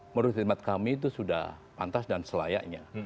menurut ridmat kami itu sudah pantas dan selayaknya